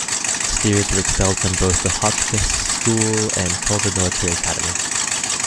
Steers was expelled from both the Hotchkiss School and Culver Military Academy.